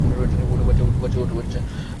ওঠো, বাচ্চা।